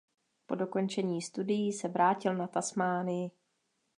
Po dokončení studií se vrátil na Tasmánii.